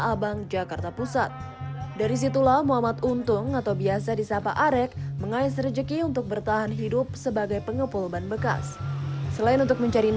lalu sampai anak istri saya kelaparan